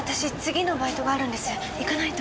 行かないと。